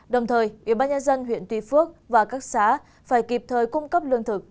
đồng thời ủy ban nhà dân huyện tuy phước và các xá phải kịp thời cung cấp lương thực